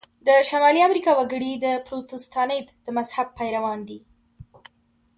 د شمالي امریکا وګړي د پروتستانت د مذهب پیروان دي.